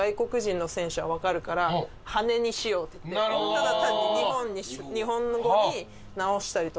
ただ単に日本語に直したりとか。